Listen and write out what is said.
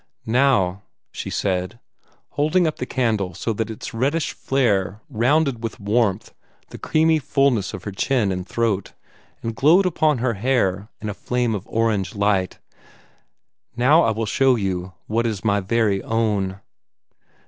"Now," she said, holding up the candle so that its reddish flare rounded with warmth the creamy fulness of her chin and throat, and glowed upon her hair in a flame of orange light "now I will show you what is my very own."